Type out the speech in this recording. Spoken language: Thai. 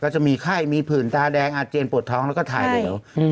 จะมีไข้มีผื่นตาแดงอาเจียนปวดท้องแล้วก็ถ่ายเหลว